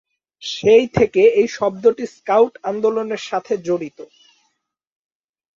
সেই থেকে এই শব্দটি স্কাউট আন্দোলনের সাথে জড়িত।